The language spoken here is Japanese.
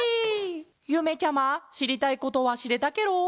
ゆめちゃましりたいことはしれたケロ？